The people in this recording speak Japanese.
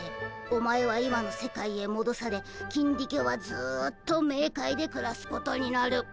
お前は今の世界へもどされキンディケはずっとメーカイでくらすことになる。